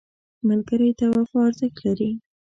ملګری ته وفا ارزښت لري